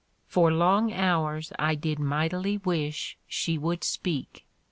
For long hours I did mightily wish she would speak.